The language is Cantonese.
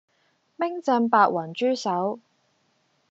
冰鎮白雲豬手